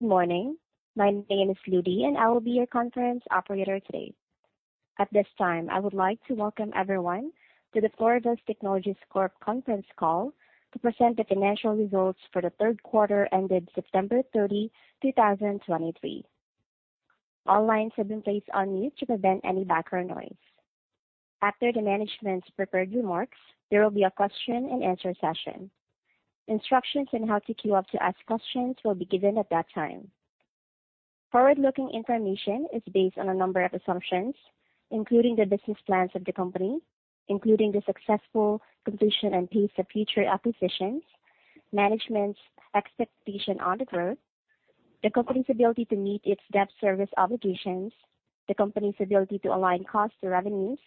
Good morning. My name is Ludy, and I will be your conference operator today. At this time, I would like to welcome everyone to the Pluribus Technologies Corp. conference call to present the financial results for the third quarter ended September 30, 2023. All lines have been placed on mute to prevent any background noise. After the management's prepared remarks, there will be a question and answer session. Instructions on how to queue up to ask questions will be given at that time. Forward-looking information is based on a number of assumptions, including the business plans of the company, including the successful completion and pace of future acquisitions, management's expectation on the growth, the company's ability to meet its debt service obligations, the company's ability to align costs to revenues,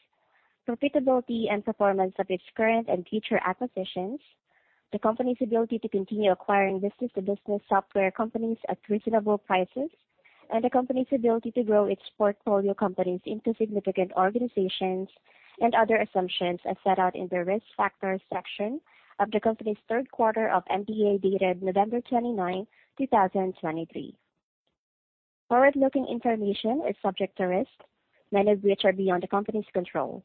profitability and performance of its current and future acquisitions, the company's ability to continue acquiring business-to-business software companies at reasonable prices, and the company's ability to grow its portfolio companies into significant organizations and other assumptions as set out in the Risk Factors section of the company's third quarter MD&A, dated November 29, 2023. Forward-looking information is subject to risks, many of which are beyond the company's control.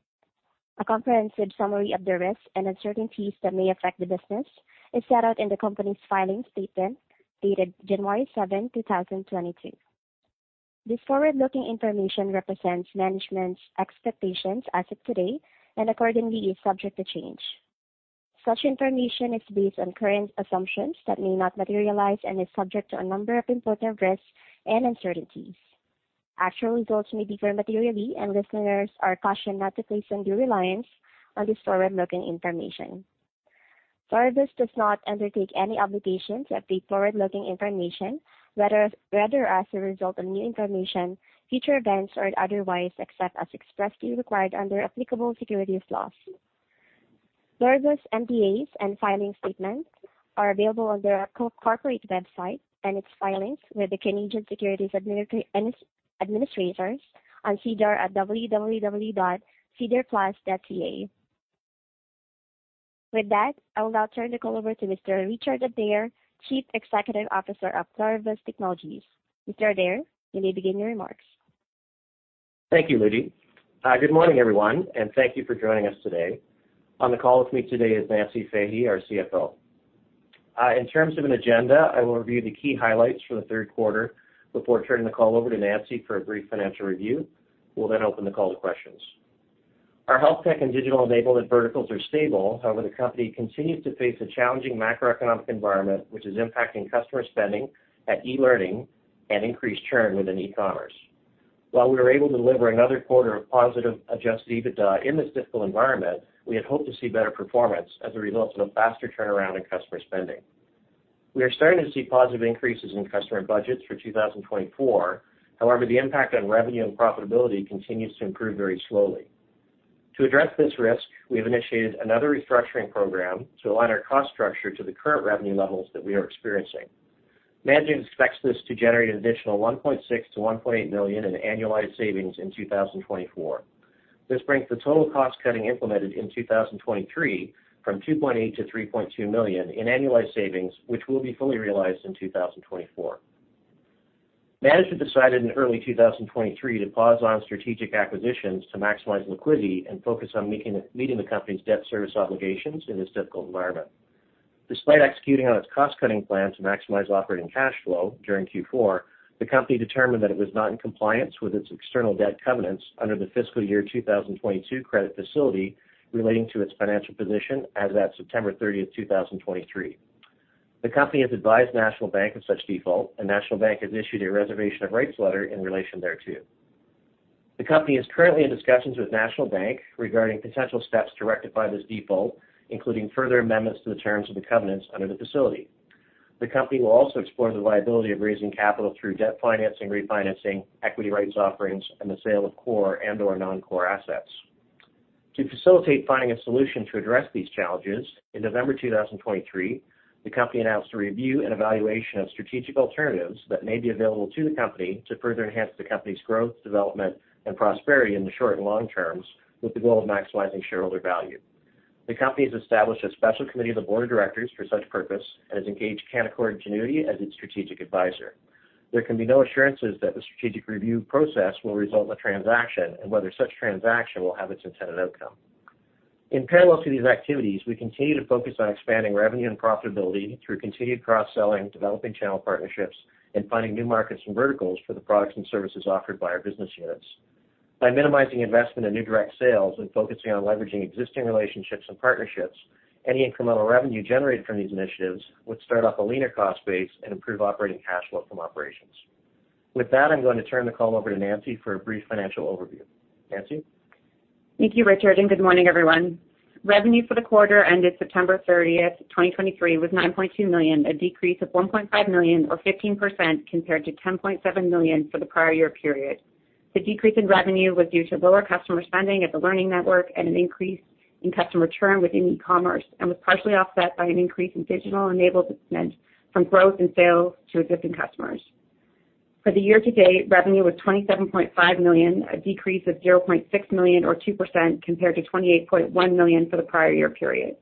A comprehensive summary of the risks and uncertainties that may affect the business is set out in the company's filing statement, dated January 7, 2022. This forward-looking information represents management's expectations as of today and accordingly is subject to change. Such information is based on current assumptions that may not materialize and is subject to a number of important risks and uncertainties. Actual results may differ materially, and listeners are cautioned not to place undue reliance on this forward-looking information. Pluribus does not undertake any obligation to update forward-looking information, whether as a result of new information, future events or otherwise, except as expressly required under applicable securities laws. Pluribus MD&As and filing statements are available on its corporate website and its filings with the Canadian Securities Administrators on SEDAR+ at www.sedarplus.ca. With that, I will now turn the call over to Mr. Richard Adair, Chief Executive Officer of Pluribus Technologies. Mr. Adair, you may begin your remarks. Thank you, Ludy. Good morning, everyone, and thank you for joining us today. On the call with me today is Nancy Fahy, our CFO. In terms of an agenda, I will review the key highlights for the third quarter before turning the call over to Nancy for a brief financial review. We'll then open the call to questions. Our health tech and digital enablement verticals are stable. However, the company continues to face a challenging macroeconomic environment, which is impacting customer spending at e-learning and increased churn within e-commerce. While we were able to deliver another quarter of positive Adjusted EBITDA in this difficult environment, we had hoped to see better performance as a result of a faster turnaround in customer spending. We are starting to see positive increases in customer budgets for 2024. However, the impact on revenue and profitability continues to improve very slowly. To address this risk, we've initiated another restructuring program to align our cost structure to the current revenue levels that we are experiencing. Management expects this to generate an additional 1.6 million-1.8 million in annualized savings in 2024. This brings the total cost cutting implemented in 2023 from 2.8 million-3.2 million in annualized savings, which will be fully realized in 2024. Management decided in early 2023 to pause on strategic acquisitions to maximize liquidity and focus on meeting the company's debt service obligations in this difficult environment. Despite executing on its cost-cutting plan to maximize operating cash flow during Q4, the company determined that it was not in compliance with its external debt covenants under the fiscal year 2022 credit facility relating to its financial position as at September 30, 2023. The company has advised National Bank of such default, and National Bank has issued a reservation of rights letter in relation thereto. The company is currently in discussions with National Bank regarding potential steps to rectify this default, including further amendments to the terms of the covenants under the facility. The company will also explore the viability of raising capital through debt financing, refinancing, equity rights offerings, and the sale of core and/or non-core assets. To facilitate finding a solution to address these challenges, in November 2023, the company announced a review and evaluation of strategic alternatives that may be available to the company to further enhance the company's growth, development, and prosperity in the short and long terms, with the goal of maximizing shareholder value. The company has established a special committee of the board of directors for such purpose and has engaged Canaccord Genuity as its strategic advisor. There can be no assurances that the strategic review process will result in a transaction and whether such transaction will have its intended outcome. In parallel to these activities, we continue to focus on expanding revenue and profitability through continued cross-selling, developing channel partnerships, and finding new markets and verticals for the products and services offered by our business units. By minimizing investment in new direct sales and focusing on leveraging existing relationships and partnerships, any incremental revenue generated from these initiatives would start off a leaner cost base and improve operating cash flow from operations. With that, I'm going to turn the call over to Nancy for a brief financial overview. Nancy? Thank you, Richard, and good morning, everyone. Revenue for the quarter ended September 30, 2023, was 9.2 million, a decrease of 1.5 million or 15% compared to 10.7 million for the prior year period. The decrease in revenue was due to lower customer spending at The Learning Network and an increase in customer churn within e-commerce and was partially offset by an increase in digital enablement from growth in sales to existing customers. ...For the year-to-date, revenue was 27.5 million, a decrease of 0.6 million or 2% compared to 28.1 million for the prior year period.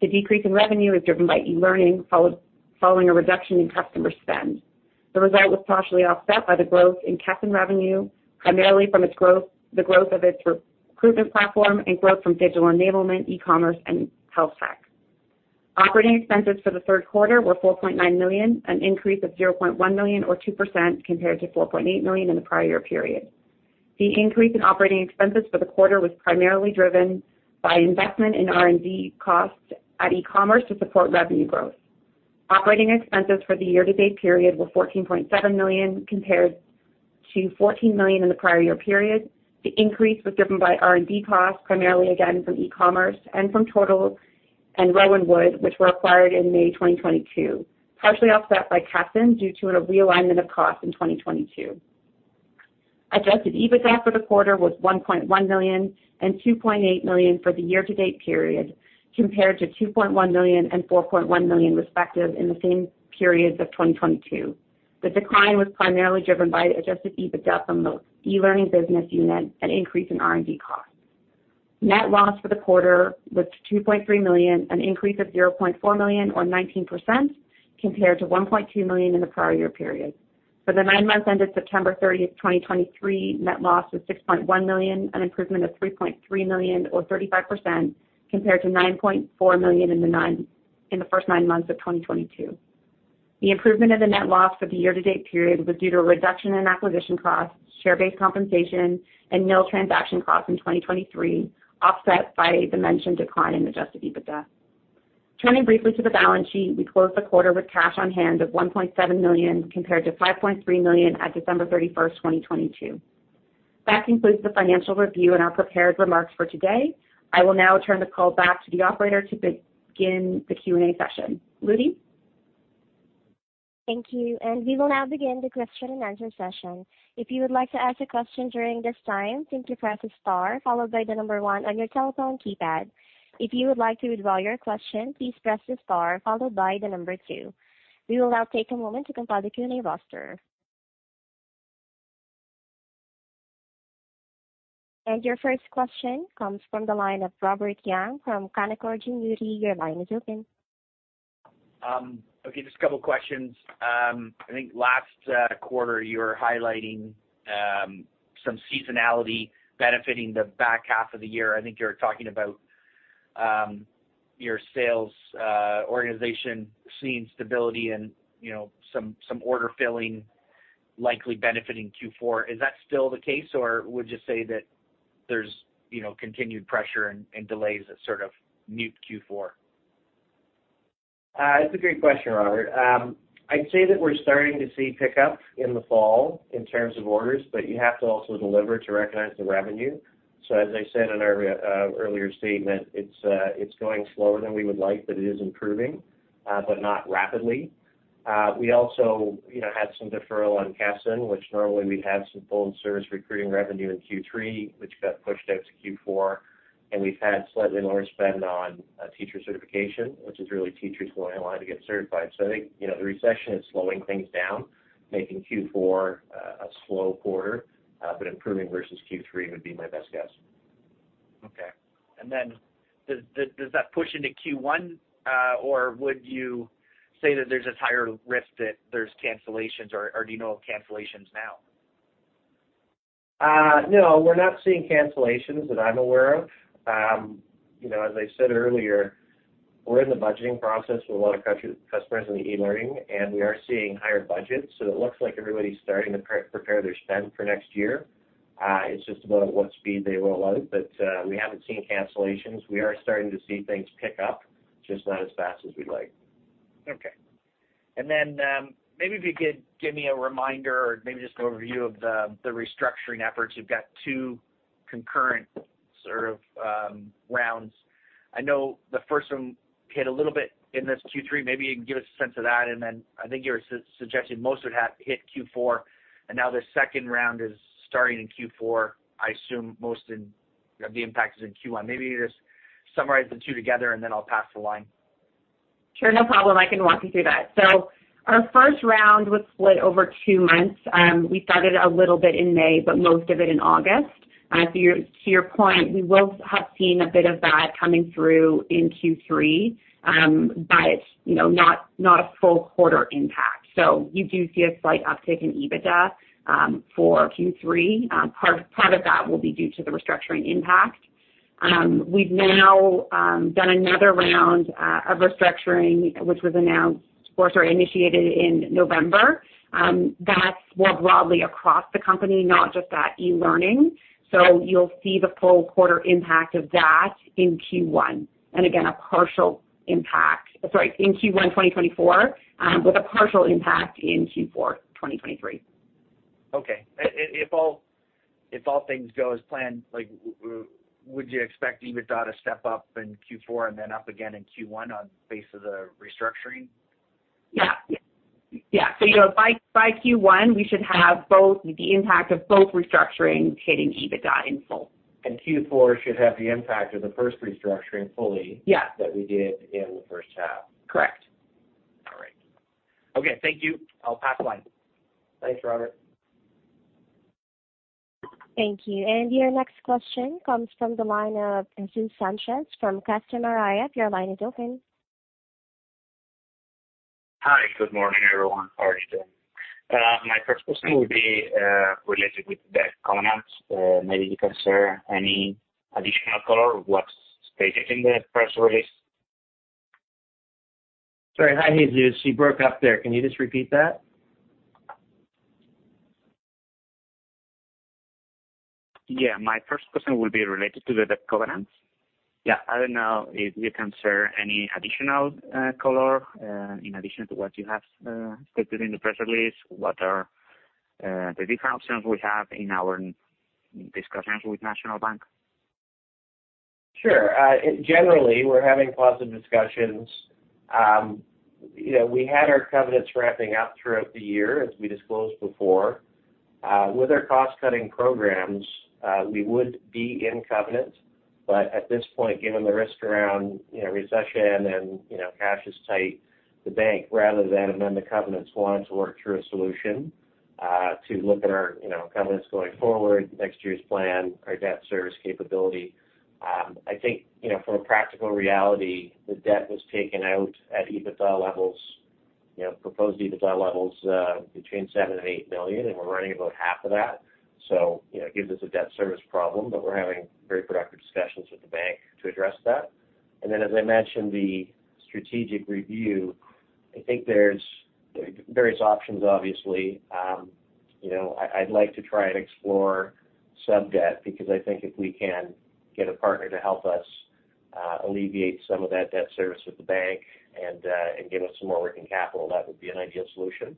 The decrease in revenue is driven by e-learning, following a reduction in customer spend. The result was partially offset by the growth in Kesson revenue, primarily from its growth, the growth of its recruitment platform and growth from digital enablement, e-commerce and health tech. Operating expenses for the third quarter were 4.9 million, an increase of 0.1 million or 2% compared to 4.8 million in the prior year period. The increase in operating expenses for the quarter was primarily driven by investment in R&D costs at e-commerce to support revenue growth. Operating expenses for the year-to-date period were 14.7 million, compared to 14 million in the prior year period. The increase was driven by R&D costs, primarily again from e-commerce and from Tortal and Rowan Wood, which were acquired in May 2022, partially offset by Kesson due to a realignment of costs in 2022. Adjusted EBITDA for the quarter was 1.1 million and 2.8 million for the year-to-date period, compared to 2.1 million and 4.1 million respective in the same periods of 2022. The decline was primarily driven by the adjusted EBITDA from the e-learning business unit and increase in R&D costs. Net loss for the quarter was 2.3 million, an increase of 0.4 million or 19% compared to 1.2 million in the prior year period. For the nine months ended September 30, 2023, net loss was 6.1 million, an improvement of 3.3 million or 35% compared to 9.4 million in the first nine months of 2022. The improvement in the net loss for the year-to-date period was due to a reduction in acquisition costs, share-based compensation and nil transaction costs in 2023, offset by the mentioned decline in adjusted EBITDA. Turning briefly to the balance sheet, we closed the quarter with cash on hand of 1.7 million, compared to 5.3 million at December 31, 2022. That concludes the financial review and our prepared remarks for today. I will now turn the call back to the operator to begin the Q&A session. Rudy? Thank you, and we will now begin the question-and-answer session. If you would like to ask a question during this time, please press star, followed by the number one on your telephone keypad. If you would like to withdraw your question, please press the star followed by the number two. We will now take a moment to compile the Q&A roster. And your first question comes from the line of Robert Young from Canaccord Genuity. Your line is open. Okay, just a couple questions. I think last quarter, you were highlighting some seasonality benefiting the back half of the year. I think you were talking about your sales organization seeing stability and, you know, some order filling, likely benefiting Q4. Is that still the case, or would you say that there's, you know, continued pressure and delays that sort of moot Q4? It's a great question, Robert. I'd say that we're starting to see pickup in the fall in terms of orders, but you have to also deliver to recognize the revenue. So as I said in our earlier statement, it's going slower than we would like, but it is improving, but not rapidly. We also, you know, had some deferral on Kesson Group, which normally we'd have some full-service recruiting revenue in Q3, which got pushed out to Q4. And we've had slightly lower spend on teacher certification, which is really teachers going online to get certified. So I think, you know, the recession is slowing things down, making Q4 a slow quarter, but improving versus Q3 would be my best guess. Okay. And then does that push into Q1, or would you say that there's just higher risk that there's cancellations, or do you know of cancellations now? No, we're not seeing cancellations that I'm aware of. You know, as I said earlier, we're in the budgeting process with a lot of customers in the e-learning, and we are seeing higher budgets, so it looks like everybody's starting to pre-prepare their spend for next year. It's just about at what speed they roll out, but we haven't seen cancellations. We are starting to see things pick up, just not as fast as we'd like. Okay. And then, maybe if you could give me a reminder or maybe just an overview of the, the restructuring efforts. You've got two concurrent sort of, rounds. I know the first one hit a little bit in this Q3. Maybe you can give us a sense of that, and then I think you were suggesting most would have hit Q4, and now the second round is starting in Q4. I assume most of the impact is in Q1. Maybe just summarize the two together, and then I'll pass the line. Sure, no problem. I can walk you through that. So our first round was split over two months. We started a little bit in May, but most of it in August. To your point, we will have seen a bit of that coming through in Q3, but, you know, not a full quarter impact. So you do see a slight uptick in EBITDA for Q3. Part of that will be due to the restructuring impact. We've now done another round of restructuring, which was announced or sorry, initiated in November. That's more broadly across the company, not just at e-learning. So you'll see the full quarter impact of that in Q1. And again, a partial impact... Sorry, in Q1 2024, with a partial impact in Q4 2023. Okay. If all things go as planned, like would you expect EBITDA to step up in Q4 and then up again in Q1 on the basis of the restructuring? Yeah. Yeah, so, you know, by Q1, we should have both, the impact of both restructurings hitting EBITDA in full. Q4 should have the impact of the first restructuring fully- Yes -that we did in the first half. Correct. All right. Okay, thank you. I'll pass the line. Thanks, Robert.... Thank you. Your next question comes from the line of Jesus Sanchez from Customer IF. Your line is open. Hi, good morning, everyone. How are you doing? My first question will be related with the covenants. Maybe you can share any additional color of what's stated in the press release. Sorry. Hi, Jesus, you broke up there. Can you just repeat that? Yeah. My first question will be related to the debt covenants. Yeah, I don't know if you can share any additional, color, in addition to what you have, stated in the press release, what are, the different options we have in our discussions with National Bank? Sure. Generally, we're having positive discussions. You know, we had our covenants ramping up throughout the year, as we disclosed before. With our cost-cutting programs, we would be in covenant, but at this point, given the risk around, you know, recession and, you know, cash is tight, the bank, rather than amend the covenants, wanted to work through a solution, to look at our, you know, covenants going forward, next year's plan, our debt service capability. I think, you know, from a practical reality, the debt was taken out at EBITDA levels, you know, proposed EBITDA levels, between 7 million-8 million, and we're running about half of that. So, you know, it gives us a debt service problem, but we're having very productive discussions with the bank to address that. And then, as I mentioned, the strategic review, I think there's various options, obviously. You know, I'd like to try and explore sub-debt because I think if we can get a partner to help us alleviate some of that debt service with the bank and give us some more working capital, that would be an ideal solution.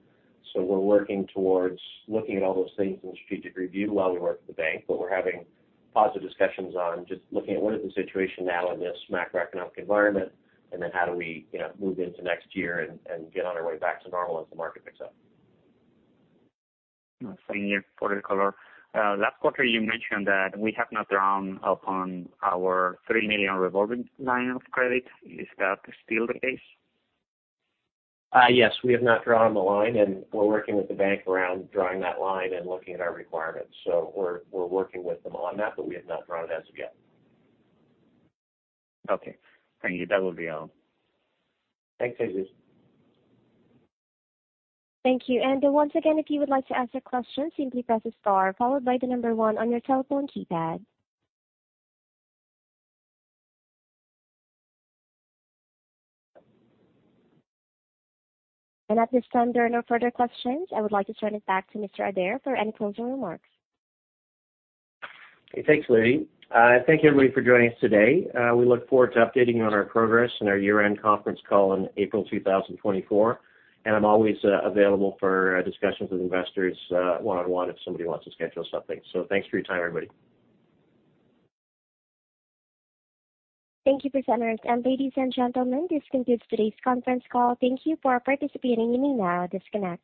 So we're working towards looking at all those things in the strategic review while we work with the bank, but we're having positive discussions on just looking at what is the situation now in this macroeconomic environment, and then how do we, you know, move into next year and get on our way back to normal as the market picks up. Thank you for the color. Last quarter, you mentioned that we have not drawn upon our 3 million revolving line of credit. Is that still the case? Yes, we have not drawn on the line, and we're working with the bank around drawing that line and looking at our requirements. So we're working with them on that, but we have not drawn it as yet. Okay. Thank you. That would be all. Thanks, Jesus. Thank you. And once again, if you would like to ask a question, simply press star followed by the number one on your telephone keypad. And at this time, there are no further questions. I would like to turn it back to Mr. Adair for any closing remarks. Hey, thanks, Ludy. Thank you, everybody, for joining us today. We look forward to updating you on our progress in our year-end conference call on April 2024, and I'm always available for discussions with investors one-on-one if somebody wants to schedule something. So thanks for your time, everybody. Thank you, presenters. Ladies and gentlemen, this concludes today's conference call. Thank you for participating. You may now disconnect.